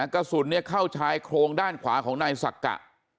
กระสุนเข้าชายโครงด้านขวาของนายสักกะ